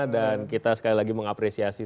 dan kita sekali lagi mengapresiasi